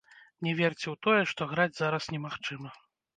Не верце ў тое, што граць зараз немагчыма.